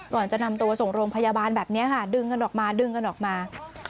ก่อนจะนำตัวส่งโรงพยาบาลแบบนี้ค่ะดึงกันออกมาดึงกันออกมา